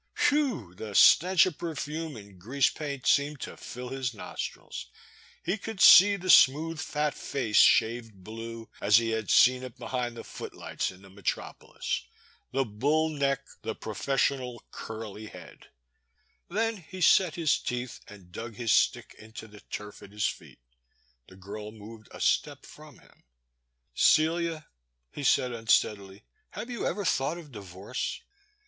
Whew! the stench of perfume and grease paint seemed to fill his nostrils; he could see the smooth fat face shaved blue, as he had seen it behind the footlights in the metropolis, the bull neck, the professional curly head I Then he set his teeth and dug his stick into the turf at his feet. The girl moved a step from him. Celia, he said unsteadily, have you ever thought of divorce